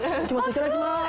いただきます。